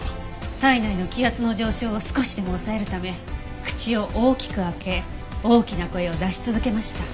体内の気圧の上昇を少しでも抑えるため口を大きく開け大きな声を出し続けました。